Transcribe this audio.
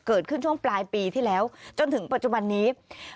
เกิดขึ้นช่วงปลายปีที่แล้วจนถึงปัจจุบันนี้